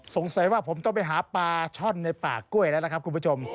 สงสัยว่าผมต้องไปหาปลาช่อนในป่ากล้วยแล้วล่ะครับคุณผู้ชม